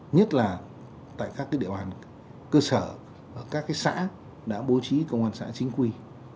nhất là tại các địa bàn cơ sở các xã đã bố trí công an xã chính quy